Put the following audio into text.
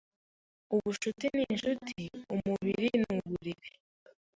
Ubucuti n'inshuti Umubiri n'uburiri